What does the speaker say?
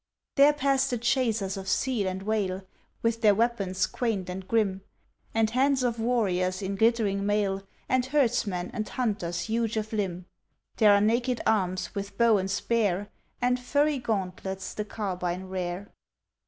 There pass the chasers of seal and whale, With their weapons quaint and grim, And bands of warriors in glittering mail, And herdsmen and hunters huge of limb. There are naked arms, with bow and spear, And furry gauntlets the carbine rear.